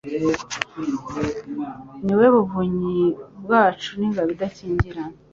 ni we buvunyi bwacu n’ingabo idukingira